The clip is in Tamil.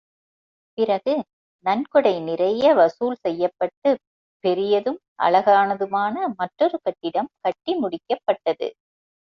பிறகு நன்கொடை நிறைய வசூல் செய்யப்பட்டுப் பெரியதும், அழகானதுமான மற்றொரு கட்டிடம் கட்டி முடிக்கப்பட்டது.